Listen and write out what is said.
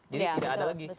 jadi tidak ada lagi